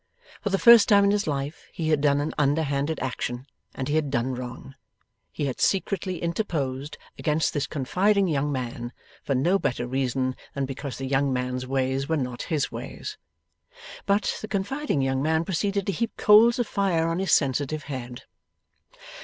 For the first time in his life he had done an underhanded action, and he had done wrong. He had secretly interposed against this confiding young man, for no better real reason than because the young man's ways were not his ways. But, the confiding young man proceeded to heap coals of fire on his sensitive head.